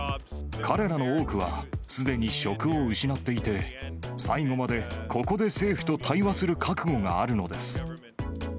彼らの多くはすでに職を失っていて、最後までここで政府と対話する覚悟があるのです。